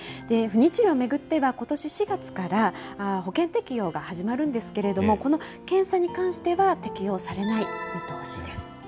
不妊治療を巡っては、ことし４月から保険適用が始まるんですけれども、この検査に関しては適用されない見通しです。